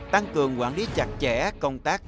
tăng cường quản lý chặt chẽ công tác